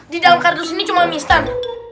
di dalam kardus ini cuma mie instan